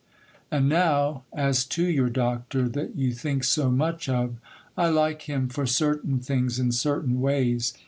'And now as to your Doctor that you think so much of, I like him for certain things, in certain ways.